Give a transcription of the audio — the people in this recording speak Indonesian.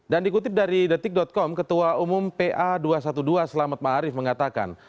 dan dikutip dari detik com ketua umum pa dua ratus dua belas selamat ma'arif mengatakan